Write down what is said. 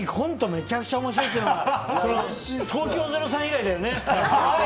めちゃくちゃ面白いってのは東京０３以来だよね。